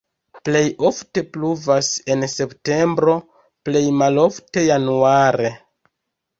Plej ofte pluvas en septembro, plej malofte januare.